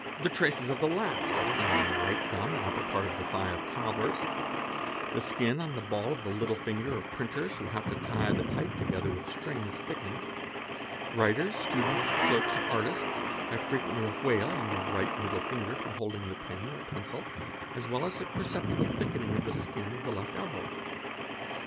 the, traces of the _ last are seen on the right thumb and upper part of the thigh of cobblers; _ the skin on the ball of the little finger of printers who have to tie the 7 type together with string is thickened; writers, students, clerks, and artists have frequently a wale on the right middle finger from holding | the pen or pencil, as well as a perceptible thickening of the skin of the left elbow.